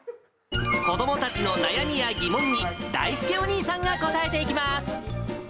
子どもたちの悩みや疑問にだいすけお兄さんが答えていきます。